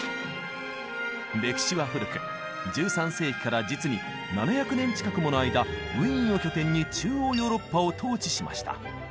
歴史は古く１３世紀から実に７００年近くもの間ウィーンを拠点に中央ヨーロッパを統治しました。